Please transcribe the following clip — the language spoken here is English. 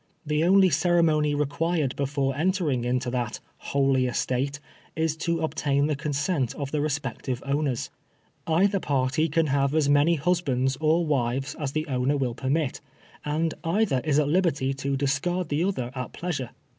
The only ceremony required before entering into that " holy estate," is to obtain the con sent of the respective owners. It is usually encour aged by the masters of female slaves. Either party can have as many husbands or wives as the owner will permit, and either is at liberty to discard the other at pleasure.